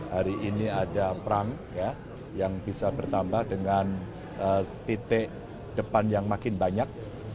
hari ini ada perang yang bisa bertambah dengan titik depan yang makin banyak